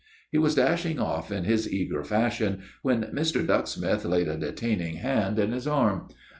He was dashing off in his eager fashion, when Mr. Ducksmith laid a detaining hand on his arm.